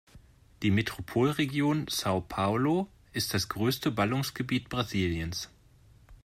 Die Metropolregion São Paulo ist das größte Ballungsgebiet Brasiliens.